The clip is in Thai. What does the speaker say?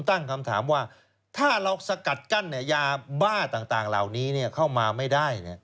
ตั้งคำถามว่าถ้าเราสกัดกั้นยาบ้าต่างเหล่านี้เข้ามาไม่ได้